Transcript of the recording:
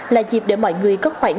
là dịp để mọi người có khoảng